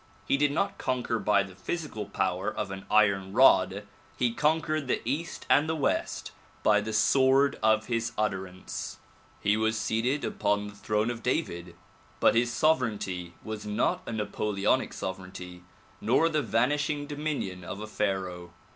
He did not conquer by the physical power of an iron rod; he conquered the east and the west by the sword of his utterance. DISCOURSES DELIVERED IN BROOKLYN 195 He was seated upon the throne of David but his sovereignty was not a Napoleonic sovereignty nor the vanishing dominion of a Pharaoh.